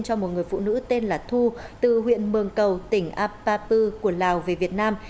cho một người phụ nữ tên là thu từ huyện mường cầu tỉnh apau của lào về việt nam